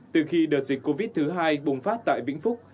từ khi đợt dịch covid thứ hai bùng phát tại vĩnh phúc